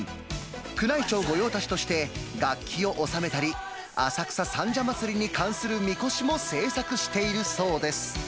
宮内庁御用達として楽器を納めたり、浅草三社祭に関するみこしも制作しているそうです。